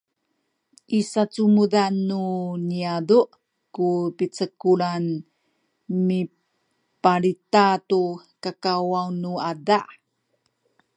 i sacumudan nu niyazu’ ku picekulan mipalita tu kakawaw nu ada